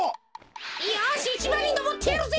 よし１ばんにのぼってやるぜ！